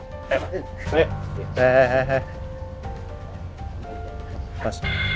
gak ada apa apa